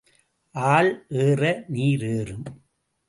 ஆள் ஏற நீர் ஏறும்.